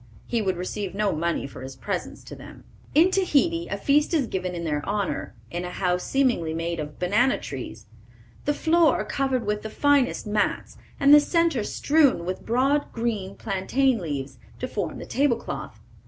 He would receive no money for his presents to them. In Tahiti a feast is given in their honor, in a house seemingly made of banana trees, "the floor covered with the finest mats, and the centre strewn with broad green plantain leaves, to form the table cloth....